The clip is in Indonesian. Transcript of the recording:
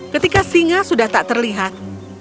ketika singa sudah tak terlihat